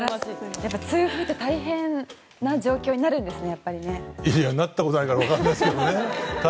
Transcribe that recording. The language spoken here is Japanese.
やっぱり痛風大変な状況になるんですね。